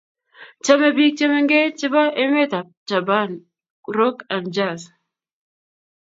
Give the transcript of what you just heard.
Chame biik chemengech chebo emetab Japan rock and jazz